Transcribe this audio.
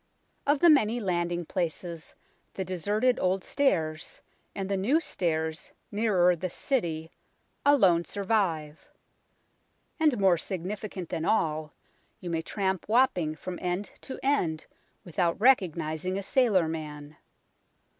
H ii4 UNKNOWN LONDON Of the many landing places, the deserted Old Stairs and the New Stairs, nearer the City, alone survive. And, more significant than all, you may tramp Wapping from end to end without recognizing a sailor man.